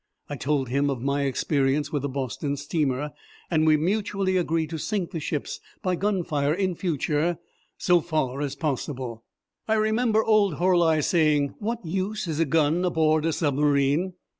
I told him of my experience with the Boston steamer, and we mutually agreed to sink the ships by gun fire in future so far as possible. I remember old Horli saying, "What use is a gun aboard a submarine?"